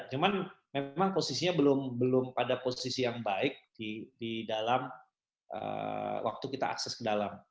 cuman memang posisinya belum pada posisi yang baik di dalam waktu kita akses ke dalam